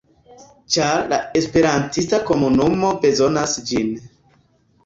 Ĉar la esperantista komunumo bezonas ĝin.